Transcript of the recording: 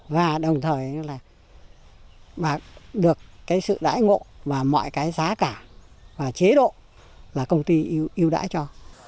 và đồng thời được sự đãi ngộ và mọi cái giá cả và chế độ là công ty yêu đãi cho